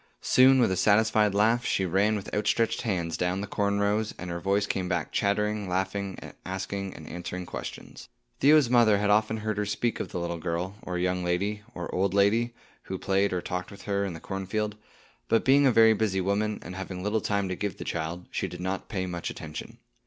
Soon, with a satisfied laugh, she ran with outstretched hands down the corn rows, and her voice came back chattering, laughing, asking and answering questions. Theo's mother had often heard her speak of the little girl, or young lady, or old lady, who played or talked with her in the cornfield; but being a very busy woman, and having little time to give the child, she did not pay much attention.